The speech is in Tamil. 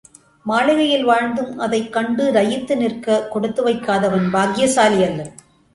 மாளிகையில் வாழ்ந்தும் அதைக் கண்டுலயித்து நிற்க கொடுத்து வைக்காதவன் பாக்கியசாலி அல்லன்.